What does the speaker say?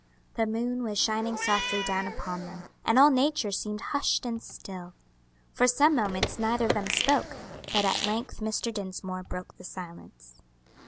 The moon was shining softly down upon them, and all nature seemed hushed and still. For some moments neither of them spoke, but at length Mr. Dinsmore broke the silence.